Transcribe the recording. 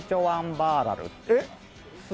バーラル。